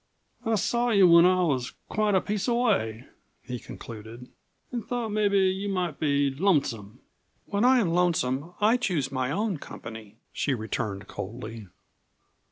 "I saw you when I was quite a piece away," he concluded, "an' thought mebbe you might be lonesome." "When I am lonesome I choose my own company," she returned coldly.